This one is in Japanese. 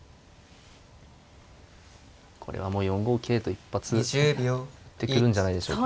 これはもう４五桂と一発打ってくるんじゃないでしょうか。